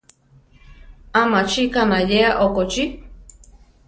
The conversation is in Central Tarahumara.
¿A machi kanayéa okochí?